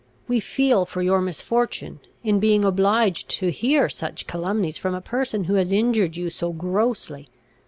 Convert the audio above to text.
We feel for your misfortune, in being obliged to hear such calumnies from a person who has injured you so grossly.